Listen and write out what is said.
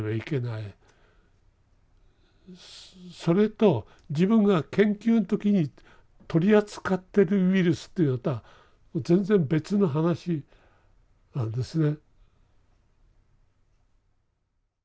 それと自分が研究の時に取り扱ってるウイルスというのとは全然別の話なんですね。